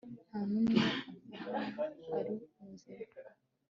ntanumwe uva hano ari muzima